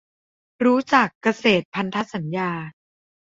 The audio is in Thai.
รู้จัก "เกษตรพันธสัญญา"